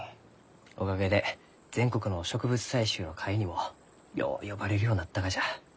おかげで全国の植物採集の会にもよう呼ばれるようになったがじゃ。